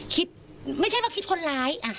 ไม่ใช่ว่าคิดคนร้าย